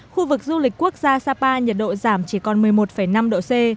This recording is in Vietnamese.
khu vực du lịch quốc gia sapa nhiệt độ giảm chỉ còn một mươi một năm độ c